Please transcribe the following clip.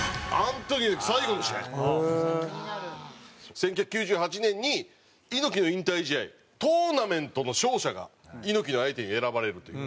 １９９８年に猪木の引退試合トーナメントの勝者が猪木の相手に選ばれるという。